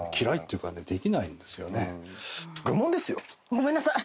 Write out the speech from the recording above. ごめんなさい。